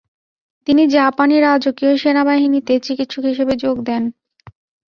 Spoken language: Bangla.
তিনি জাপানি রাজকীয় সেনাবাহিনীতে চিকিৎসক হিসেবে যোগ দেন।